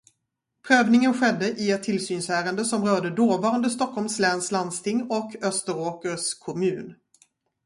Prövningen skedde i ett tillsynsärende som rörde dåvarande Stockholms läns landsting och Österåkers kommun.